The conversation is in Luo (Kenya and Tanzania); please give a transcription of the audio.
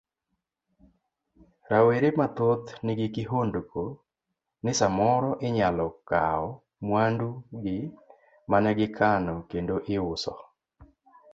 Rawere mathoth nigi kihondko ni samoro inyalo kawo mwandu gi mane gikano kendo iuso.